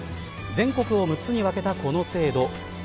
全国を６つに分けたこの制度。